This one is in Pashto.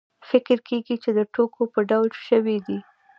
فکر کېږي چې د ټوکو په ډول شوې دي.